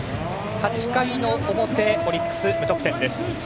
８回の表、オリックス無得点です。